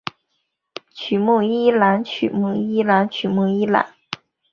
曲目一览曲目一览曲目一览